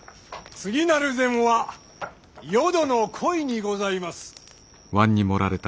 次なる膳は淀の鯉にございます。